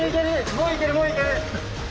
もういけるもういける！